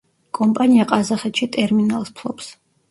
კომპანია ყაზახეთში ტერმინალს ფლობს.